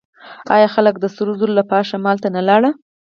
آیا خلک د سرو زرو لپاره شمال ته نه لاړل؟